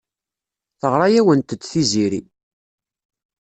Teɣra-awent-d Tiziri.